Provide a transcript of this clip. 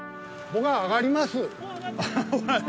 僕は上がります。